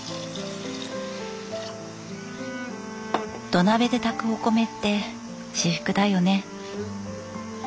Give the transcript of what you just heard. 土鍋で炊くお米って至福だよね。